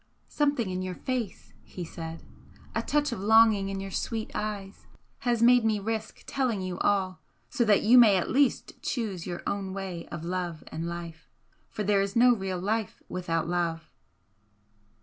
"Something in your face," he said "a touch of longing in your sweet eyes, has made me risk telling you all, so that you may at least choose your own way of love and life for there is no real life without love."